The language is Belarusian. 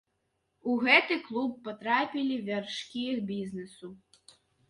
У гэты клуб патрапілі вяршкі бізнесу.